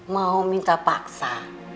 mau minta paksa